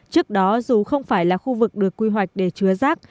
trước đó dù không phải là khu vực được quy hoạch để chứa rác